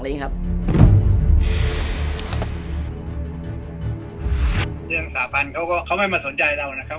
เรื่องสาพันธ์เขาก็เขาไม่มาสนใจเรานะครับ